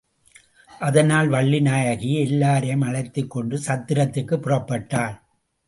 அதனால் வள்ளிநாயகி எல்லாரையும் அழைத்துக் கொண்டு சத்திரத்திற்குப் புறப்பட்டாள்.